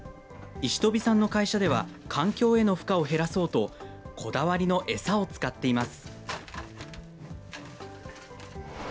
石飛さんの会社では、環境への負荷を減らそうと、こだわりの餌を使っています。